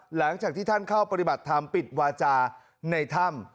หลังจากที่ท่านเข้าปฏิบัติธรรมปิดวาจาในถ้ำ